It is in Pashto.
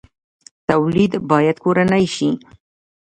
تولید باید کورنی شي